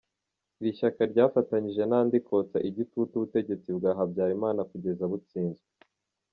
Iri shyaka ryafatanyije n’andi kotsa igitutu ubutegetsi bwa Habyarimana kugeza butsinzwe.